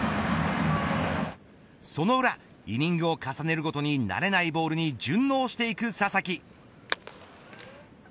その裏、イニングを重ねるごとに慣れないボールに順応していく佐々木。